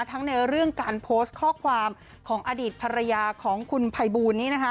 ทั้งในเรื่องการโพสต์ข้อความของอดีตภรรยาของคุณภัยบูลนี้นะคะ